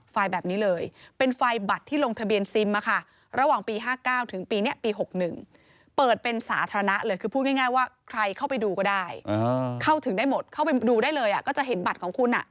แบบนี้เลยเป็นไฟล์บัตรที่ลงทะเบียนซิมระหว่างปี๕๙ถึงปีนี้ปี๖๑เปิดเป็นสาธารณะเลยคือพูดง่ายว่าใครเข้าไปดูก็ได้เข้าถึงได้หมดเข้าไปดูได้เลยก็จะเห็นบัตรของคุณ